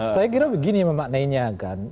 saya kira begini memang maknanya kan